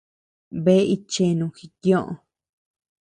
Bea itcheanu jikioʼö.